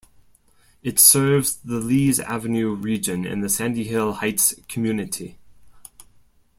It serves the Lees Avenue region and the Sandy Hill Heights community.